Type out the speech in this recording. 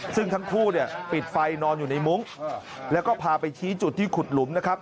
ซึ่งทั้งคู่เนี่ยปิดไฟนอนอยู่ในมุ้งแล้วก็พาไปชี้จุดที่ขุดหลุมนะครับ